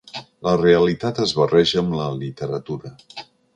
La realitat es barreja amb la literatura.